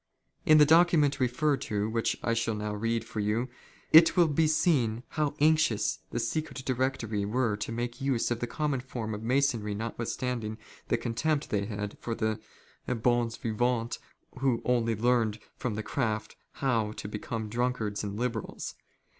In the document referred to, which I shall now read for you, it will be seen how anxious the Secret Directory were to make use of the most common form of Masonry not withstanding the contempt they had for the hons vivants who only learned from the craft how to become drunkards and liberals.